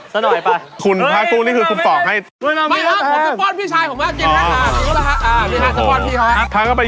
สักหน่อยป่ะคุณภารกิจสุดนี้คือกูปอกให้